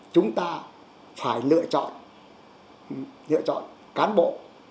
chúng ta phải lựa chọn cán bộ